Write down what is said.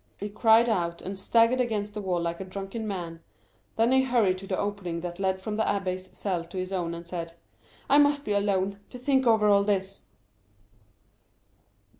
He cried out, and staggered against the wall like a drunken man, then he hurried to the opening that led from the abbé's cell to his own, and said, "I must be alone, to think over all this."